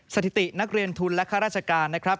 สถิตินักเรียนทุนและข้าราชการนะครับ